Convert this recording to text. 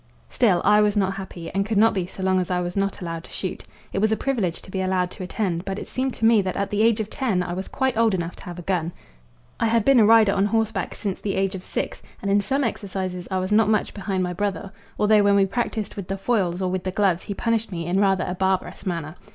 Still, I was not happy, and could not be so long as I was not allowed to shoot. It was a privilege to be allowed to attend, but it seemed to me that at the age of ten I was quite old enough to have a gun. I had been a rider on horseback since the age of six, and in some exercises I was not much behind my brother, although when we practised with the foils or with the gloves he punished me in rather a barbarous manner.